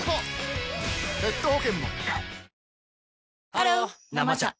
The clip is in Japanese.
ハロー「生茶」